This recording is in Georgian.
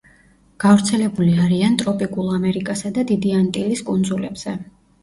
გავრცელებული არიან ტროპიკულ ამერიკასა და დიდი ანტილის კუნძულებზე.